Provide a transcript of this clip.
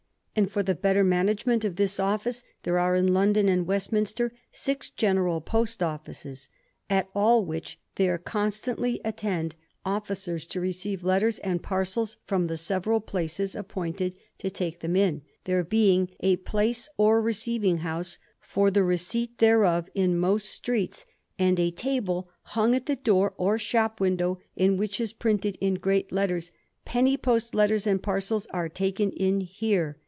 And for the better manaofenient of this office there are in London and Westminster six general post offices .... at all which there constantly attend .... officers to receive letters and parcels from the several places appointed to take them in, there being a place or receiving house for the receipt thereof in most streets, with a table hung at the door or shop window, in which is printed in great letters " Penny Post Letters and Parcels are taken in Here."